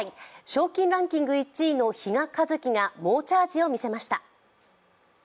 賞金ランキング１位の比嘉一貴が猛チャージを見せました。